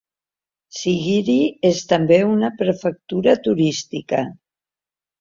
Siguiri és també una prefectura turística.